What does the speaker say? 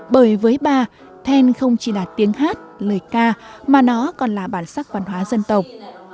bởi với bà then không chỉ là tiếng hát lời ca mà nó còn là bản sắc văn hóa dân tộc